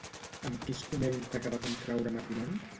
Amb qui es comenta que va contraure matrimoni?